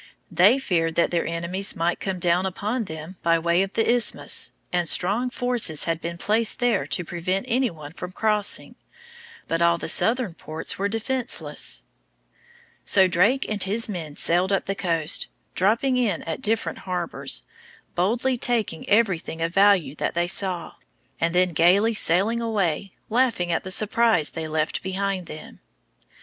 They feared that their enemies might come down upon them by way of the isthmus, and strong forces had been placed there to prevent any one from crossing; but all the southern ports were defenseless. So Drake and his men sailed up the coast, dropping in at different harbors, boldly taking everything of value that they saw, and then gayly sailing away, laughing at the surprise they left behind them.